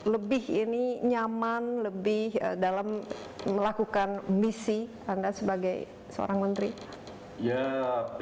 lebih ini nyaman lebih dalam melakukan misi anda sebagai seorang menteri